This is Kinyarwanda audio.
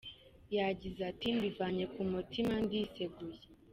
Yagize ati “Mbivanye ku mutima, ndiseguye.